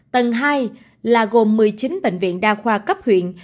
tầng hai là gồm một mươi chín bệnh viện đa khoa cấp huyện